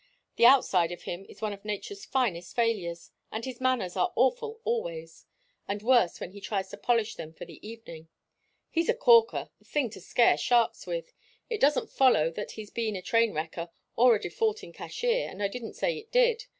The outside of him is one of nature's finest failures, and his manners are awful always and worse when he tries to polish them for the evening. He's a corker, a thing to scare sharks with it doesn't follow that he's been a train wrecker or a defaulting cashier, and I didn't say it did.